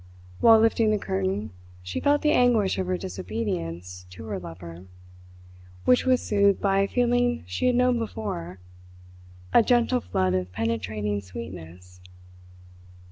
While lifting the curtain, she felt the anguish of her disobedience to her lover, which was soothed by a feeling she had known before a gentle flood of penetrating sweetness.